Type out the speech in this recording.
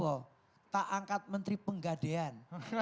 ya allah tak angkat menteri penggadean